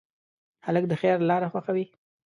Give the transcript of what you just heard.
هلک د خیر لاره خوښوي.